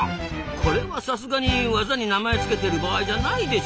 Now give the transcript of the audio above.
これはさすがにワザに名前付けてる場合じゃないでしょ！